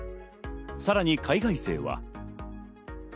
さらに海外勢は。